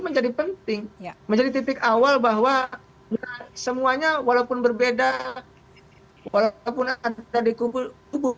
menjadi penting menjadi titik awal bahwa semuanya walaupun berbeda walaupun ada di kumpul kubu